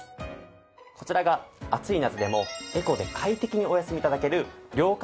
こちらが暑い夏でもエコで快適にお休み頂ける涼感